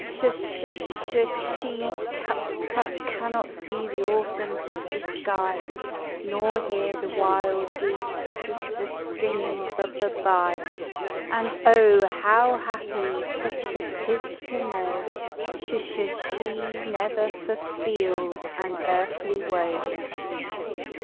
Sh sh sh she ciic cuc cannot see the Autumn s s sky, Nor hear the wild geese s s s stringing b b bv ; And, oh ! how happy t t t tis to know Sh sh she never f f feels an earthly woe